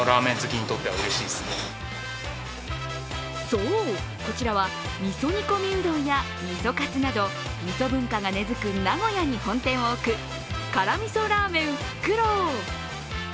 そう、こちらは、みそ煮込みうどんやみそ文化が根づく名古屋に本店を置くからみそラーメンふくろう。